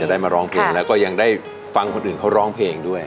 ได้มาร้องเพลงแล้วก็ยังได้ฟังคนอื่นเขาร้องเพลงด้วย